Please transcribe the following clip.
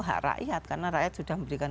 hak rakyat karena rakyat sudah memberikan